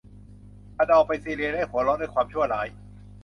อเดลล์ไปซีเรียและหัวเราะด้วยความชั่วร้าย